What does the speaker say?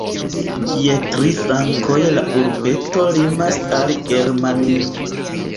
Je tri flankoj la urbeto limas al Germanio.